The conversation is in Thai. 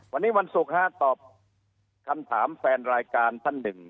วันนี้วันศุกร์ฮะตอบคำถามแฟนรายการท่านหนึ่ง